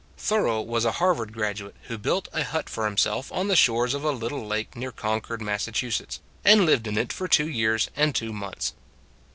Thoreau was a Harvard graduate who built a hut for himself on the shores of a little lake near Concord, Massachusetts, and lived in it for two years and two months.